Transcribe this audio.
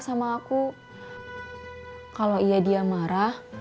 di setiap kalim celsiusg posisi dengan organ